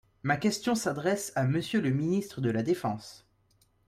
Ma question s’adresse à Monsieur le ministre de la défense.